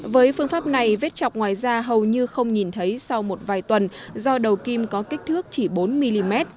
với phương pháp này vết chọc ngoài da hầu như không nhìn thấy sau một vài tuần do đầu kim có kích thước chỉ bốn mm